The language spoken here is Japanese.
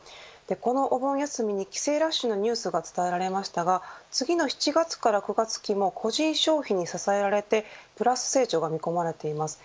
このお盆休みに帰省ラッシュのニュースが伝えられましたが次の７月から９月期も個人消費に支えられてプラス成長が見込まれています。